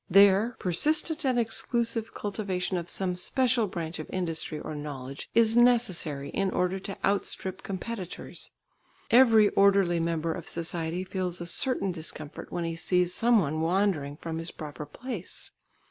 There persistent and exclusive cultivation of some special branch of industry or knowledge is necessary in order to outstrip competitors. Every orderly member of society feels a certain discomfort when he sees some one wandering from his proper place.